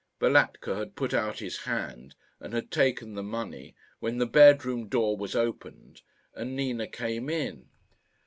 Balatka had put out his hand and had taken the money, when the bedroom door was opened, and Nina came in.